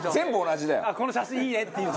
「この写真いいね」って言って。